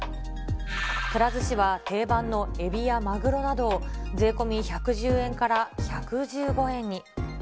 くら寿司は定番のエビやマグロなどを、税込み１１０円から１１５円に。